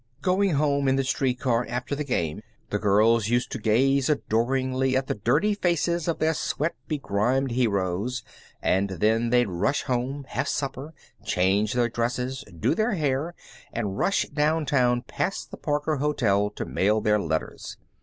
Going home in the street car after the game the girls used to gaze adoringly at the dirty faces of their sweat begrimed heroes, and then they'd rush home, have supper, change their dresses, do their hair, and rush downtown past the Parker Hotel to mail their letters.